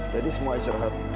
jadi semua isirhat